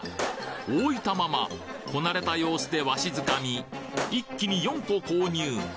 大分ママこなれた様子で鷲づかみ一気に４個購入！